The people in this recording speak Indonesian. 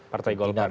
partai golkar ya